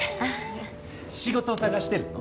仕事探してるの？